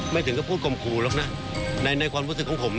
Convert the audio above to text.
ถึงก็พูดกลมครูหรอกนะในความรู้สึกของผม